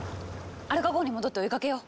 アルカ号に戻って追いかけよう！